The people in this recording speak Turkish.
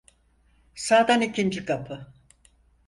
Sağdan ikinci kapı.